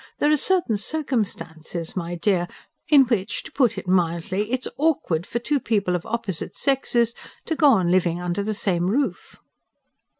There are certain circumstances, my dear, in which, to put it mildly, it is AWKWARD for two people of OPPOSITE sexes to go on living under the same roof."